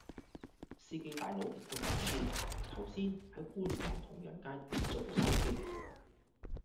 司機大佬唔該快啲，頭先喺觀塘同仁街跌左部手機